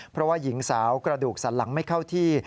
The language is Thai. เพราะว่าหญิงสาวกระดูกสันหลังไม่เข้าที่